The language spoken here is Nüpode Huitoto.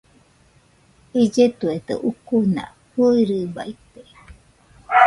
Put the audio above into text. Illetuedo ucuna fɨirɨbaite.